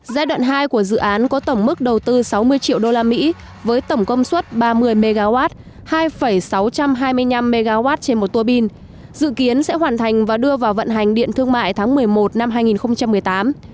giai đoạn hai của dự án có tổng mức đầu tư sáu mươi triệu usd với tổng công suất ba mươi mw hai sáu trăm hai mươi năm mw trên một tua bin dự kiến sẽ hoàn thành và đưa vào vận hành điện thương mại tháng một mươi một năm hai nghìn một mươi tám